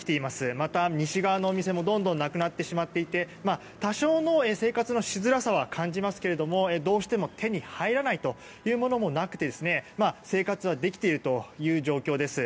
また、西側のお店もどんどんなくなってしまっていて多少の生活のしづらさは感じますがどうしても手に入らないというものもなくて生活はできているという状況です。